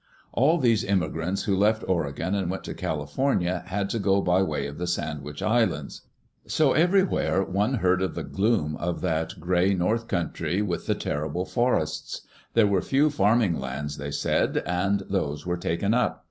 All these immigrants who left Oregon and went to California had to go by way of the Sandwich Islands. So everywhere one heard of the gloom of that gray north country, with the terrible forests. There were few farm ing lands, they said, and those were taken up.